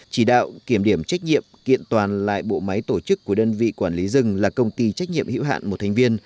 chỉ đạo kiểm điểm trách nhiệm kiện toàn lại bộ máy tổ chức của đơn vị quản lý rừng là công ty trách nhiệm hữu hạn một thành viên